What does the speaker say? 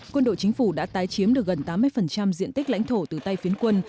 quân đội chính phủ đã tái chiếm được gần tám mươi diện tích lãnh thổ từ tay phiến quân